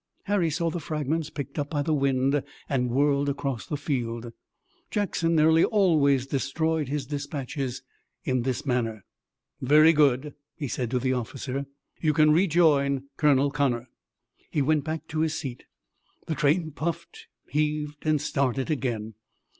Harry saw the fragments picked up by the wind and whirled across the field. Jackson nearly always destroyed his dispatches in this manner. "Very good," he said to the officer, "you can rejoin Colonel Connor." He went back to his seat. The train puffed, heaved and started again.